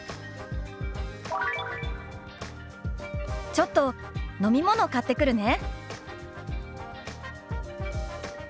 「ちょっと飲み物買ってくるね」。